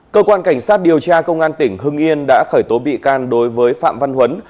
cơ quan cảnh sát điều tra công an tỉnh hưng yên đã khởi tố bị can đối với phạm văn huấn